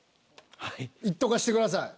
いっとかしてください。